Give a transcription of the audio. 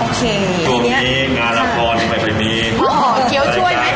โอเคตรงนี้งานแล้วพรอ๋าเฑียงนี้กี่ที่วันอ๋อเฑียงกัน